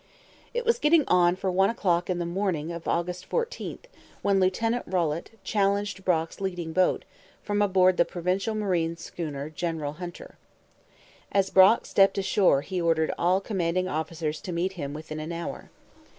It was getting on for one o'clock in the morning of August 14 when Lieutenant Rolette challenged Brock's leading boat from aboard the Provincial Marine schooner General Hunter. As Brock stepped ashore he ordered all commanding officers to meet him within an hour.